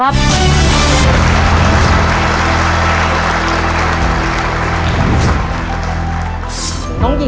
เร็วเร็ว